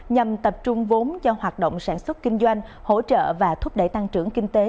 nhằm tập trung vốn cho hoạt động sản xuất kinh doanh hỗ trợ và thúc đẩy tăng trưởng kinh tế